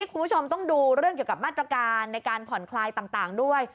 คุณผู้ชมต้องดูเรื่องเกี่ยวกับมาตรการในการผ่อนคลายต่างด้วย